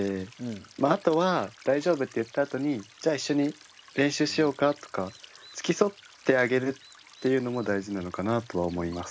まああとは「大丈夫」って言ったあとに「じゃあ一緒に練習しようか？」とかつきそってあげるっていうのも大事なのかなとは思います。